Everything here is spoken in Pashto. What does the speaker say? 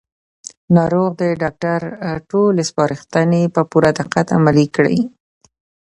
ناروغ د ډاکټر ټولې سپارښتنې په پوره دقت عملي کړې